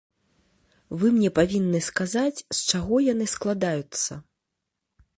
Вы мне павінны сказаць, з чаго яны складаюцца.